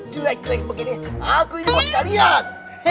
jelek jelek begini aku ini bos kalian